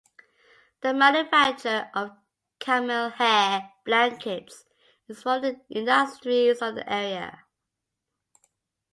The manufacture of camel-hair blankets is one of the industries of the area.